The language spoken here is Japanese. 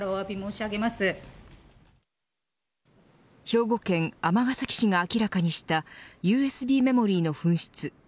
兵庫県尼崎市が明らかにしたＵＳＢメモリーの紛失。